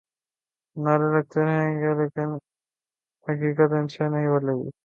نعرے لگتے رہیں گے لیکن حقیقت ان سے نہیں بدلے گی۔